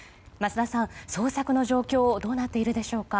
桝田さん、捜索の状況はどうなっているでしょうか。